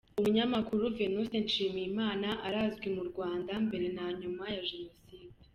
Umunyamakuru Venuste Nshimiyimana, arazwi mu Rwanda mbere na nyuma ya Jenoside.